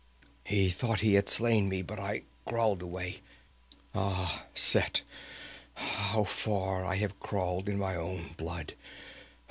He thought he had slain me, but I crawled away. Ah, Set, how far I have crawled in my own blood!